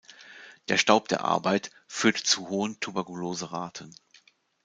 Der Staub der Arbeit führte zu hohen Tuberkulose-Raten.